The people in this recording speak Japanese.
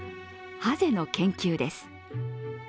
ハゼの研究です。